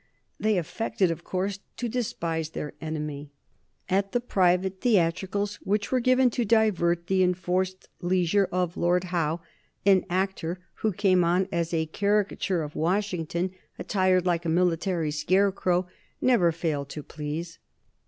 They affected, of course, to despise their enemy. At the private theatricals which were given to divert the enforced leisure of Lord Howe an actor who came on as a caricature of Washington, attired like a military scarecrow, never failed to please.